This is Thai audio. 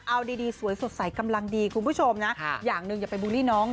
เอาดีดีสวยสดใสกำลังดีคุณผู้ชมนะอย่างหนึ่งอย่าไปบูลลี่น้อง